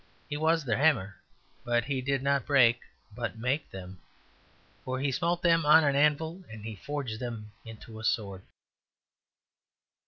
He was their hammer, but he did not break but make them; for he smote them on an anvil and he forged them into a sword.